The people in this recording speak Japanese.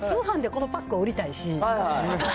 私は通販でこのパックを売りたいし。